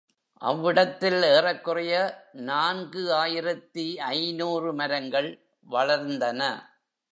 அவ்விடத்தில் ஏறக்குறைய நான்கு ஆயிரத்து ஐநூறு மரங்கள் வளர்ந்தன.